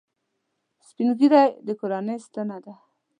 سپین ږیری د کورنۍ ستنه ده